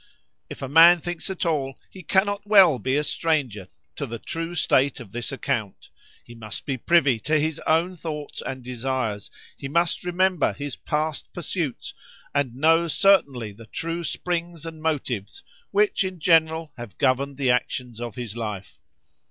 _] "If a man thinks at all, he cannot well be a stranger to the true state of this account:——he must be privy to his own thoughts and desires;—he must remember his past pursuits, and know "certainly the true springs and motives, which, in general, have governed the actions of his life."